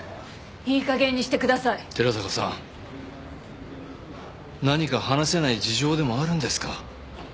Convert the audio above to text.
いいかげんにしてください寺坂さん何か話せない事情でもあるんですか？